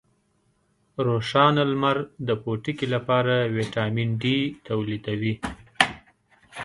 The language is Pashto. روښانه لمر د پوټکي لپاره ویټامین ډي تولیدوي.